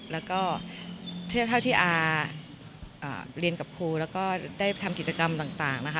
แล้วที่ผมเรียนกับครูก็ได้ทำกิจกรรมต่าง